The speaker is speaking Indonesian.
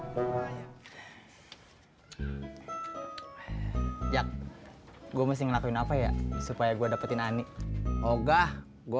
tapi ini beda mas ini belum ada mereknya beda sama yang di toko sana